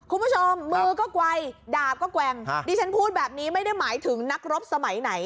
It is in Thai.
คุณผู้ชมมือก็ไกลดาบก็แกว่งดิฉันพูดแบบนี้ไม่ได้หมายถึงนักรบสมัยไหน